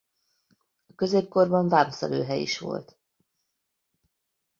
A középkorban vámszedőhely is volt.